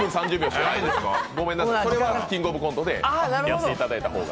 それは「キングオブコント」でやっていただいた方が。